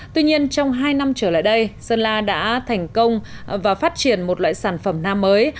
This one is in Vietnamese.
tuy nhiên trong hai năm trở lại đây sơn la đã thành công và phát triển một loại sản phẩm na mới